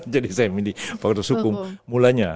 jadi saya milih fakultas hukum mulanya